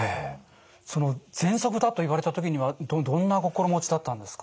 そのぜんそくだと言われた時にはどんな心持ちだったんですか？